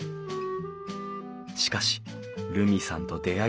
しかし瑠実さんと出会い